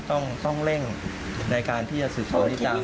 ต้องเร่งในการที่จะศึกความสอบสวน